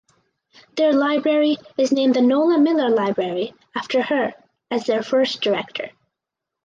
Their library is named the Nola Millar Library after her as their first director.